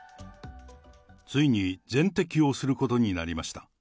ついに全摘をすることになりました。